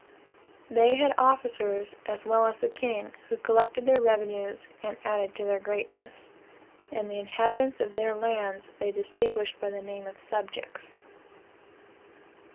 "They had officers, as well as the king, who collected their revenues, and added to their greatness; and the inhabitants of their lands they distinguished by the name of subjects.